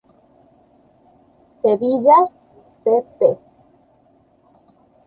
Sevilla, pp.